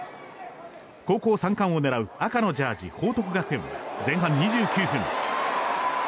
高校３冠を狙う赤のジャージー、報徳学園前半２９分